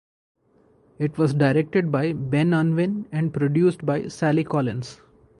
It was directed by Ben Unwin and produced by Sally Collins.